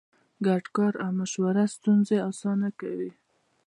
ګډ کار او مشوره ستونزې اسانه کوي.